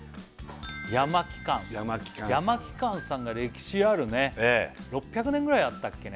山木館さん山木館さんが歴史あるね６００年ぐらいあったっけね